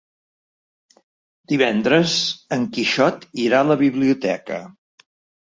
Divendres en Quixot irà a la biblioteca.